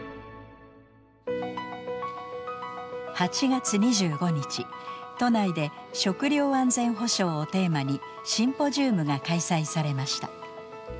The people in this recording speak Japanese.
８月２５日都内で食料安全保障をテーマにシンポジウムが開催されました。